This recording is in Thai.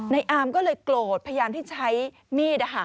นายอามก็เลยโกรธพยานที่ใช้มีด